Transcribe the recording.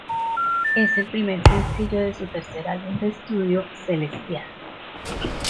Es el primer sencillo de su tercer álbum de estudio, "Celestial".